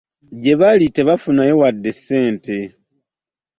Gye baali tebaafunayo wadde ssente.